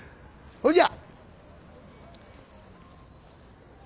ほいじゃ！